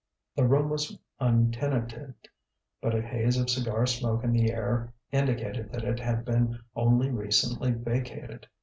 The room was untenanted, but a haze of cigar smoke in the air indicated that it had been only recently vacated.